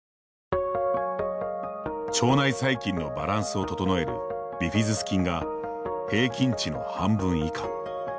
腸内細菌のバランスを整えるビフィズス菌が平均値の半分以下。